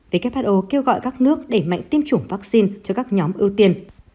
who kêu gọi các nước đẩy mạnh tiêm chủng vaccine cho các nhóm ưu tiên